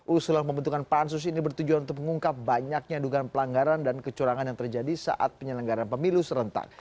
usulan pembentukan pansus ini bertujuan untuk mengungkap banyaknya dugaan pelanggaran dan kecurangan yang terjadi saat penyelenggaran pemilu serentak